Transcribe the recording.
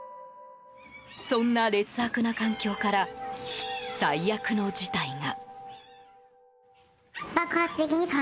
そんな劣悪な環境から最悪の事態が。